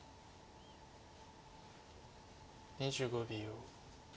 ２５秒。